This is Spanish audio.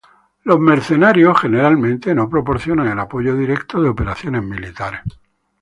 Los contratistas de guerra generalmente no proporcionan el apoyo directo de operaciones militares.